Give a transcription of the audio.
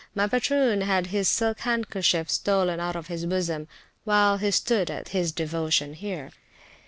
My patroon had his silk handkerchief stole out of his bosom, while he stood at his devotion here.